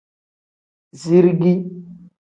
Zirigi.